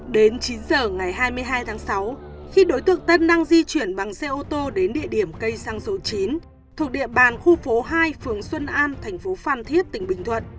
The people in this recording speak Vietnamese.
đến chín giờ ngày hai mươi hai tháng sáu khi đối tượng tân năng di chuyển bằng xe ô tô đến địa điểm cây xăng số chín thuộc địa bàn khu phố hai phường xuân an thành phố phan thiết tỉnh bình thuận